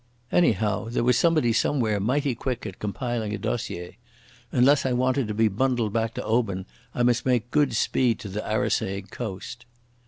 Anyhow there was somebody somewhere mighty quick at compiling a dossier. Unless I wanted to be bundled back to Oban I must make good speed to the Arisaig coast.